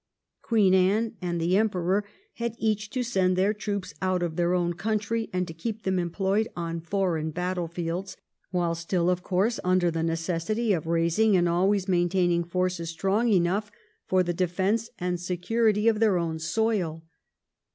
Queen Anne and the Emperor had each to send their troops out of their own country and to keep them employed on foreign battlefields, while still, of course, under the necessity of raising and always maintaining forces strong enough for the defence and security of their own soil.